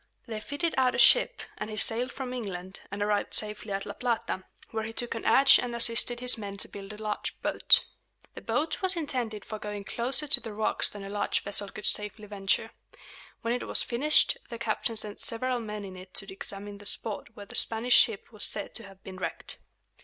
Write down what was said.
They fitted out a ship, and he sailed from England, and arrived safely at La Plata, where he took an adze and assisted his men to build a large boat. The boat was intended for going closer to the rocks than a large vessel could safely venture. When it was finished, the captain sent several men in it to examine the spot where the Spanish ship was said to have been wrecked.